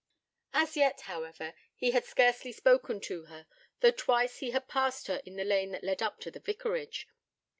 As yet, however, he had scarcely spoken to her, though twice he had passed her in the lane that led up to the vicarage.